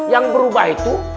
yang berubah itu